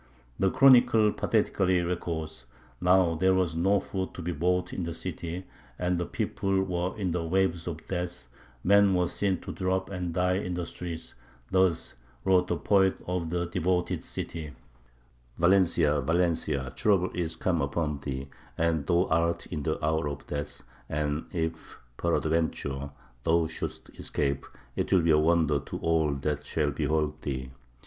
The Chronicle pathetically records: "Now there was no food to be bought in the city, and the people were in the waves of death; and men were seen to drop and die in the streets." Thus wrote a poet of the devoted city: "Valencia! Valencia! trouble is come upon thee, and thou art in the hour of death; and if peradventure thou shouldst escape, it will be a wonder to all that shall behold thee.